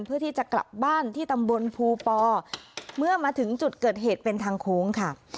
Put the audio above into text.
เพื่อที่จะกลับบ้านที่ตำบลภูปอเมื่อมาถึงจุดเกิดเหตุเป็นทางโค้งค่ะ